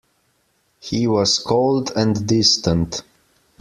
He was cold and distant.